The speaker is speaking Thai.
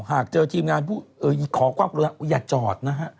หากเจอทีมงานขอความกรุณอย่าจอดนะฮะ